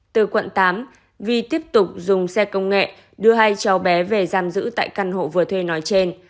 từ quận tám vi tiếp tục dùng xe công nghệ đưa hai cháu bé về giam giữ tại căn hộ vừa thuê nói trên